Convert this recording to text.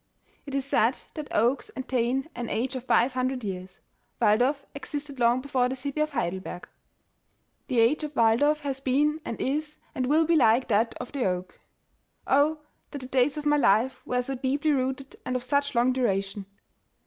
It is said that oaks attain an age of five hundred y3ar& Walldorf existed long before the city of Heidelberg. The age of Walldorf has been, and is, and will be like t?iat of the oak; 0, that the days of my life were so deeply rooted, and of snch long duration